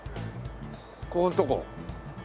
ここんとこ。